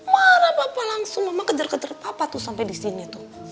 marah papa langsung mama kejar kejar papa tuh sampai disini tuh